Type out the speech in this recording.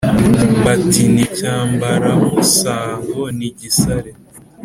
Bati: "Ni Cyambaramusango ni gisare